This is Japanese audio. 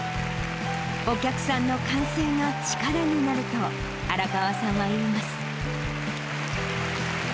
お客さんの歓声が力になると、荒川さんは言います。